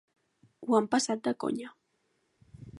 Ho hem passat de conya.